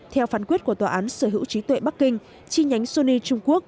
theo phán quyết của tòa án sở hữu trí tuệ bắc kinh chi nhánh sony trung quốc